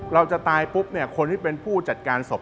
เราจะตายปุ๊บเนี่ยคนที่เป็นผู้จัดการศพ